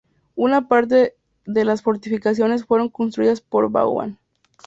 Una parte de las fortificaciones fueron construidas por Vauban.